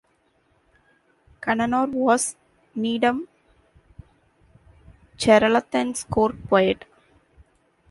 Kannanar was Nedum Cheralathan's court poet.